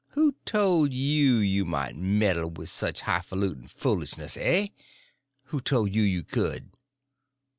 Who told you you might meddle with such hifalut'n foolishness, hey?—who told you you could?"